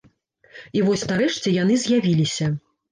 І вось, нарэшце, яны з'явіліся.